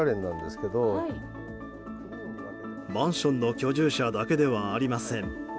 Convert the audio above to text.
マンションの居住者だけではありません。